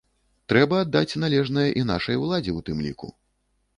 Трэба аддаць належнае і нашай уладзе ў тым ліку.